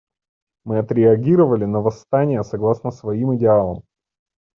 Мы отреагировали на восстания согласно своим идеалам.